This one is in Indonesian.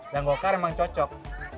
dan golkar memang cocok